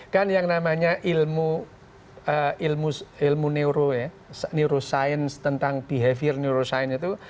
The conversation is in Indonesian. kan yang namanya ilmu neuro ya neuroscience tentang behavior neuroscience itu